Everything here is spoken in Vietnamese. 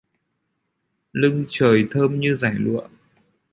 Lưng trời thơm như dải lụa